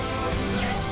「よし」